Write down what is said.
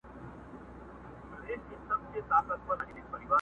o ناسته کونه تر قاضي لا هوښياره ده٫